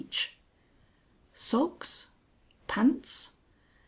_ "_Socks? Pants?